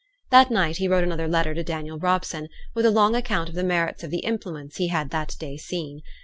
That night he wrote another letter to Daniel Robson, with a long account of the merits of the implements he had that day seen.